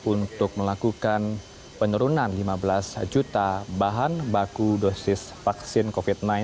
untuk melakukan penurunan lima belas juta bahan baku dosis vaksin covid sembilan belas